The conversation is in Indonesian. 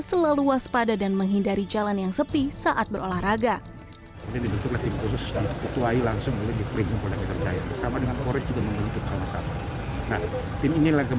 selalu waspada dan menghindari penjamretan